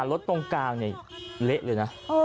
ตรงกลางเนี่ยเละเลยนะ